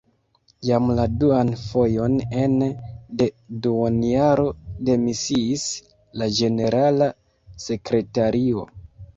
Jam la duan fojon ene de duonjaro demisiis la ĝenerala sekretario.